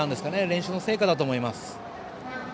練習の成果だと思います。